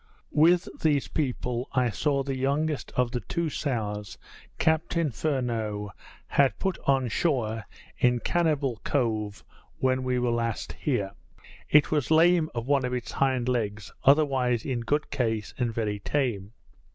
With these people I saw the youngest of the two sows Captain Furneaux had put on shore in Cannibal Cove, when we were last here: It was lame of one of its hind legs; otherwise in good case, and very tame.